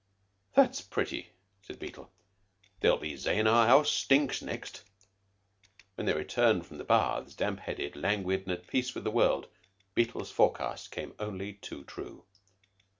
"That's pretty," said Beetle. "They'll be sayin' our house stinks next." When they returned from the baths, damp headed, languid, at peace with the world, Beetle's forecast came only too true.